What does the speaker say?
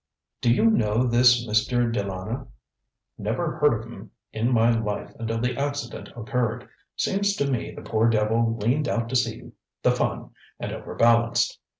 ŌĆØ ŌĆ£Do you know this Mr. De Lana? ŌĆØ ŌĆ£Never heard of him in my life until the accident occurred. Seems to me the poor devil leaned out to see the fun and overbalanced.